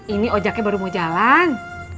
ini ojeknya baru mau jalan